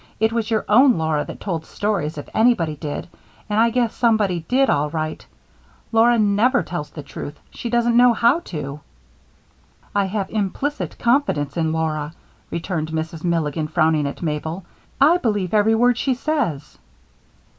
"It was your own Laura that told stories if anybody did and I guess somebody did, all right. Laura never tells the truth; she doesn't know how to." "I have implicit confidence in Laura," returned Mrs. Milligan, frowning at Mabel. "I believe every word she says."